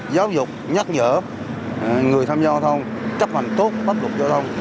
giáo dục nhắc nhở người tham gia giao thông chấp hành tốt bắt lục giao thông